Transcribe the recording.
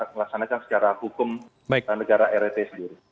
melaksanakan secara hukum negara rrt sendiri